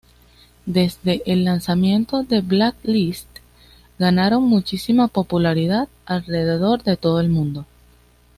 Desde el lanzamiento de Blacklist ganaron muchísima popularidad alrededor de todo el mundo.